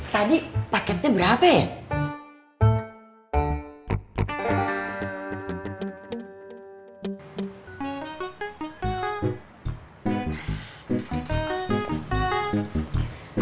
tadi paketnya berapa ya